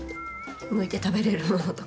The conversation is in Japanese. むいて食べれるものとか。